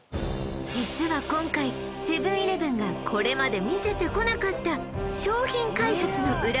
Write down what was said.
実は今回セブン−イレブンがこれまで見せてこなかったえっ